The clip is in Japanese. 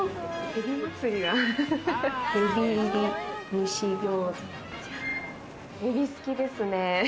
エビ、好きですね。